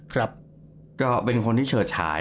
ก็เป็นคนที่เฉิดฉาย